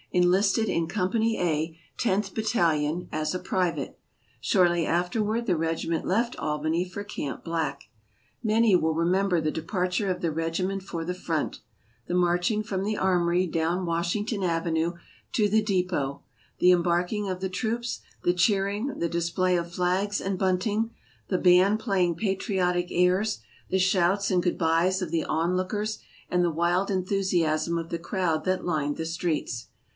enlisted in Company A, Tenth Bat talion, as a private. Shortly afterward the regiment left Albany for Camp Black. Many will remember the departure of the regiment for the front : the marching from the Armory down Washington Ave nue to the depot ; the embarking of the troops, the cheering, the display of flags and bunting; the band playing patriotic airs; the shouts and good byes of the on lookers and the wild enthusiasm of the crowd that lined the streets.